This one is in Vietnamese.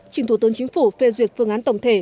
trình thủ tướng chính phủ phê duyệt phương án tổng thể